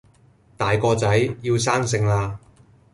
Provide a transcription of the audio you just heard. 大個仔，要生性啦